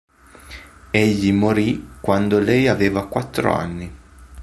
Egli morì quando lei aveva quattro anni.